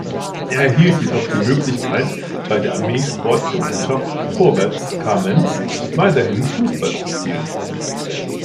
Er erhielt jedoch die Möglichkeit, bei der Armeesportgemeinschaft Vorwärts Kamenz weiterhin Fußball zu spielen.